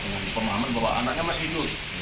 dengan pemahaman bahwa anaknya masih hidup